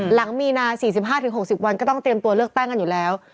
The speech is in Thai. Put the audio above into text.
หลังมีนา๔๕๖๐วันก็ต้องเตรียมตัวเลือกตั้งกันอยู่แล้ว